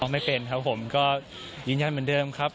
ไม่เป็นครับผมก็ยืนยันเหมือนเดิมครับ